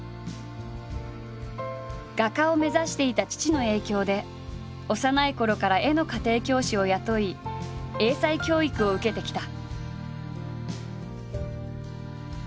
画家を目指していた父の影響で幼いころから絵の家庭教師を雇い英才教育を受けてきた。